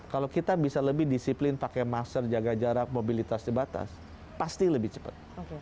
kalau kita bisa lebih disiplin pakai masker jaga jarak mobilitas terbatas pasti lebih cepat